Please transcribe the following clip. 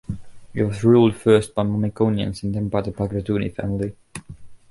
It was ruled first by Mamikonians and then by the Bagratuni family.